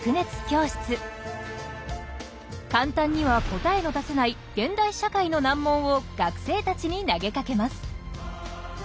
簡単には答えの出せない現代社会の難問を学生たちに投げかけます。